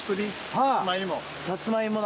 さつまいもだ。